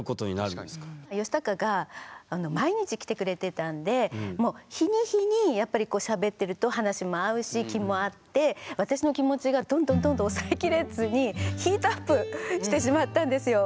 ヨシタカが毎日来てくれてたんでもう日に日にやっぱりこうしゃべってると話も合うし気も合って私の気持ちがどんどんどんどん抑えきれずにヒートアップしてしまったんですよ。